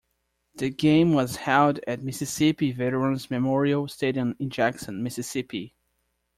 The game was held at Mississippi Veterans Memorial Stadium in Jackson, Mississippi.